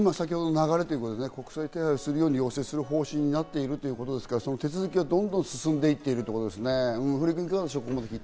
国際手配するように要請する方針になっているということですから、その手続きがどんどん進んでいってるということですね、古井君。